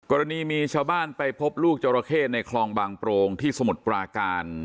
กรณีมีชาวบ้านไปพบลูกจราเข้ในคลองบางโปรงที่สมุทรปราการ